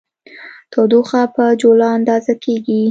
تودوخه په جولا اندازه کېږي.